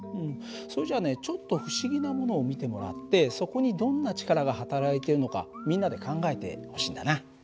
それじゃあねちょっと不思議なものを見てもらってそこにどんな力がはたらいているのかみんなで考えてほしいんだな。